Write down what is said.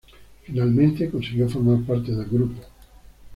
Finalmente, consiguió formar parte del grupo...